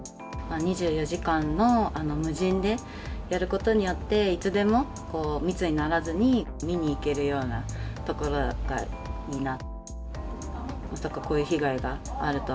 ２４時間の無人でやることによって、いつでも密にならずに見に行けるようなところがいいなと。